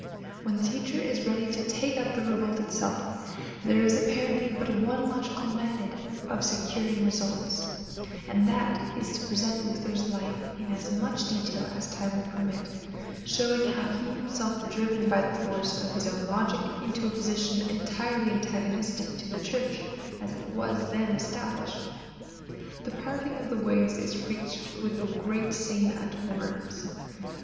When the teacher is ready to take up the revolt itself, there is apparently but one logical method of securing results, and that is to present Luther's life in as much detail as time will permit, showing how he felt himself driven by the force of his own logic into a position entirely antagonistic to the Church as it was then established. The parting of the ways is reached with the great scene at Worms.